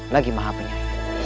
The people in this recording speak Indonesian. lagi maha penyayang